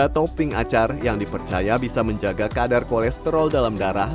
tiga topping acar yang dipercaya bisa menjaga kadar kolesterol dalam darah